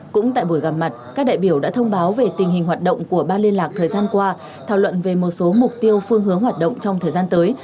cũng tại buổi gặp mặt các đại biểu đã thông báo về tình hình hoạt động của ban liên lạc thời gian qua thảo luận về một số mục tiêu phương hướng hoạt động trong thời gian tới